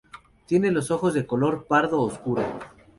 Tiene los ojos de color pardo oscuro.